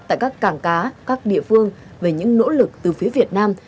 tại các cảng cá các địa phương về những nỗ lực từ phía việt nam